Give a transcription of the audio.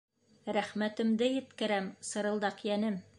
— Рәхмәтемде еткерәм, Сырылдаҡ йәнем!